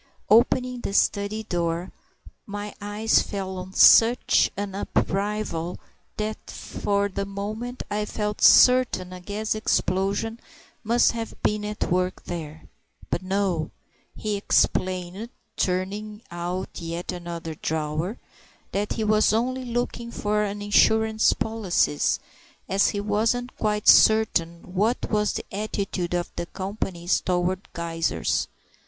Opening the study door, my eyes fell on such an upheaval that for the moment I felt certain a gas explosion must have been at work there. But no! He explained (turning out yet another drawer) that he was only looking for some insurance policies, as he wasn't quite certain what was the attitude of the companies towards geysers.